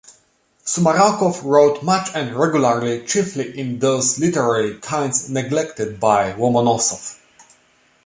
Sumarokov wrote much and regularly, chiefly in those literary kinds neglected by Lomonosov.